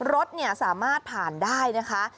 รถสามารถผ่านได้นะคะ